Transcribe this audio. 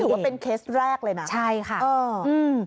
ถือว่าเป็นเคสแรกเลยนะเออใช่ค่ะอืม